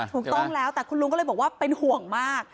ถูกต้องแล้วแต่คุณลุงก็เลยบอกว่าเป็นห่วงมาก